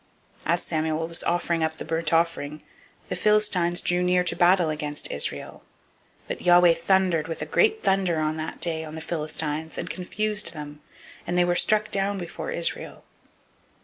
007:010 As Samuel was offering up the burnt offering, the Philistines drew near to battle against Israel; but Yahweh thundered with a great thunder on that day on the Philistines, and confused them; and they were struck down before Israel.